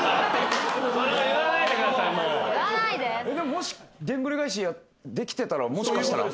もしでんぐり返しできてたらもしかしたら？